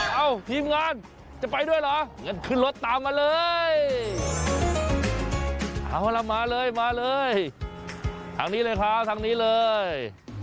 เอาละมาเลยมาเลยทางนี้เลยครับทางนี้เลย